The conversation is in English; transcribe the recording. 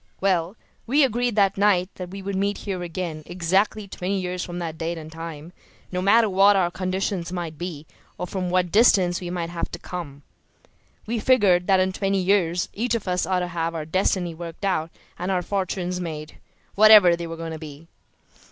Well, we agreed that night that we would meet here again exactly twenty years from that date and time, no matter what our conditions might be or from what distance we might have to come. We figured that in twenty years each of us ought to have our destiny worked out and our fortunes made, whatever they were going to be."